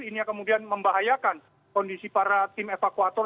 ini yang kemudian membahayakan kondisi para tim evakuator